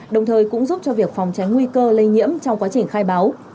đồng thời cũng giúp cho việc phòng tránh nguy cơ lây nhiễm trong quá trình khai báo